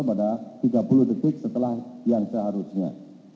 pada tiga puluh detik setelah yang seharusnya